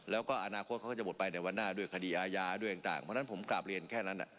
แล้วก็อนาคตเขาก็จะหมดไปในวันหน้าด้วยคดีอาญาด้วยต่างเพราะฉะนั้นผมกลับเรียนแค่นั้น